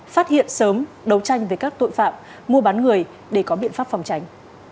phát hiện sớm đấu tranh với các tội phạm mua bán người để có biện pháp phòng tránh